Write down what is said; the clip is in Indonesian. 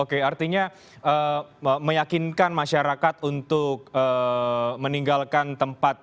oke artinya meyakinkan masyarakat untuk meninggalkan tempat